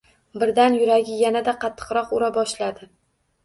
Birdan yuragi yanada qattiqroq ura boshladi.